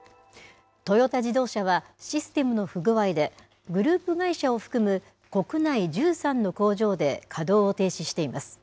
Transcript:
トヨタ自動車はシステムの不具合で、グループ会社を含む国内１３の工場で稼働を停止しています。